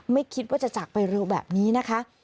ไม่คิดว่าจะจากไปเร็วแบบนี้นะคะ